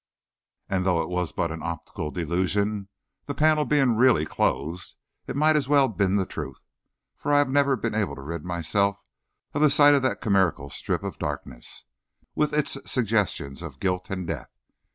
And though it was but an optical delusion, the panel being really closed, it might as well have been the truth, for I have never been able to rid myself of the sight of that chimerical strip of darkness, with its suggestions of guilt and death.